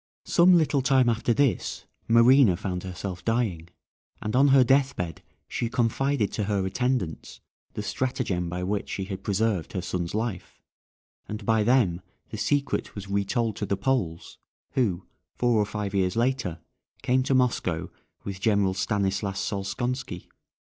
Some little time after this Marina found herself dying, and on her deathbed she confided to her attendants the stratagem by which she had preserved her son's life, and by them the secret was re told to the Poles, who, four or five years later, came to Moscow with General Stanislas Solskonski.